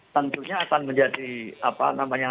tentunya akan menjadi apa namanya